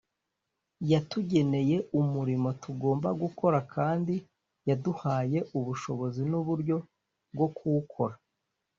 . Yatugeneye umurimo tugomba gukora, kandi yaduhaye ubushobozi n’uburyo bwo kuwukora